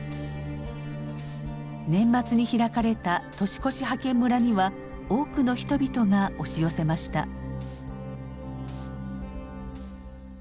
年末に開かれた年越し派遣村には多くの人々が押し寄せました。